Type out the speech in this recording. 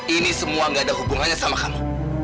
ini semua gak ada hubungannya sama kamu